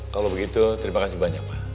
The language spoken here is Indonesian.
kalau begitu terima kasih banyak pak